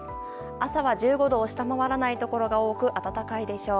朝は１５度を下回らないところが多く、暖かいでしょう。